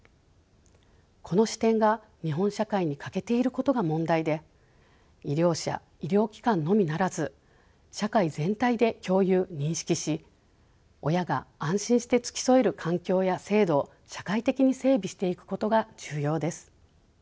この視点が日本社会に欠けていることが問題で医療者医療機関のみならず社会全体で共有認識し親が安心して付き添える環境や制度を社会的に整備していくことが重要です。